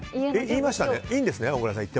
言いましたねいいんですね、小倉さん。